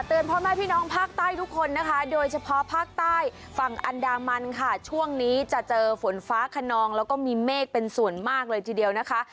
พ่อแม่พี่น้องภาคใต้ทุกคนนะคะโดยเฉพาะภาคใต้ฝั่งอันดามันค่ะช่วงนี้จะเจอฝนฟ้าขนองแล้วก็มีเมฆเป็นส่วนมากเลยทีเดียวนะคะ